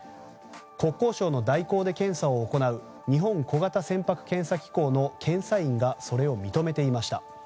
国交省の代行で検査を行う日本小型船舶検査機構の検査員がそれを認めていました。